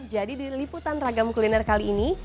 jadi di liputan ragam kuliner kali ini